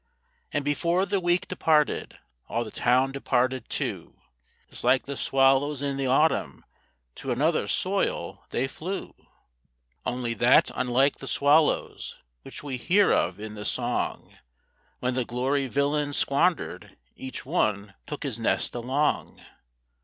And before the week departed all the town departed too, Just like the swallows in the autumn to another soil they flew; Only that, unlike the swallows which we hear of in the song, When the Gloryvillins squandered each one took his nest along.